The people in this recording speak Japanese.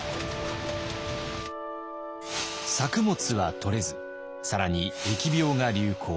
作物はとれず更に疫病が流行。